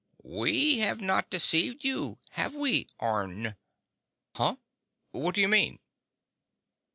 "We have not deceived you, have we, Orne?" "Huh? What do you mean?"